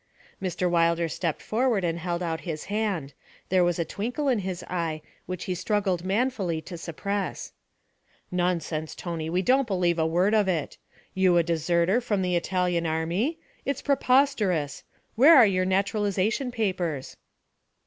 Mr. Wilder stepped forward and held out his hand; there was a twinkle in his eye, which he struggled manfully to suppress. 'Nonsense, Tony, we don't believe a word of it. You a deserter from the Italian army? It's preposterous! Where are your naturalization papers?'